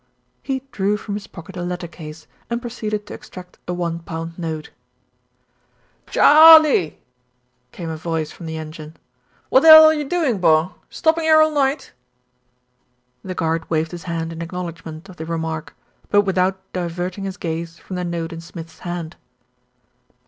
He drew from his pocket a letter case, and proceeded to extract a one pound note. "Chaaaaaaaaaarley !" came a voice from the engine. "Wot the 'ell are you doin', bor? Stoppin' 'ere all night?" The guard waved his hand in acknowledgment of the remark; but without diverting his gaze from the note in Smith's hand.